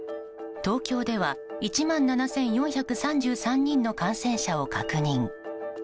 東京では１万７４３３人の感染者を確認。